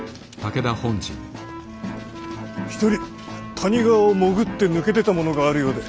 一人谷川を潜って抜け出た者があるようで。